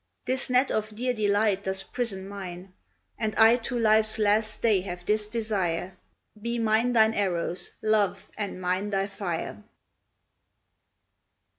This net of dear delight doth prison mine; And I to life's last day have this desire Be mine thine arrows, love, and mine thy fire.